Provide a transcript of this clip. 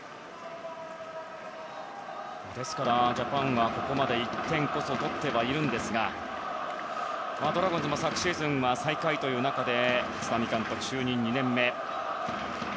ですから、ジャパンはここまで１点こそ取ってはいますがドラゴンズも昨シーズンは最下位という中で立浪監督、就任２年目。